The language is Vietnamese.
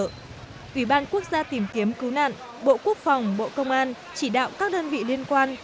ủy ban quốc gia tìm kiếm cứu nạn bộ quốc phòng bộ công an chỉ đạo các đơn vị liên quan